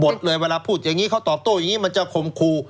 เดี๋ยวก็รอหมายสารละกัน